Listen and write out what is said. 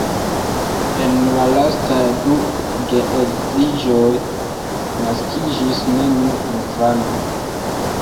En la lastaj du geedziĝoj naskiĝis neniu infano.